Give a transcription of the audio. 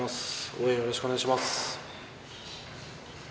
応援、よろしくお願いします。